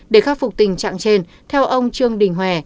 để khắc phục tình trạng trên theo ông trương đình hòe